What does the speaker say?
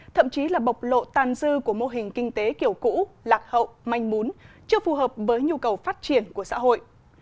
thậm chí là bộc lộ tàn dư của mô hình kinh tế kiểu cũ lạc hậu manh mún chưa phù hợp với nhu cầu phát triển của xã hội